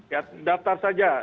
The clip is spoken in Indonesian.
ya daftar saja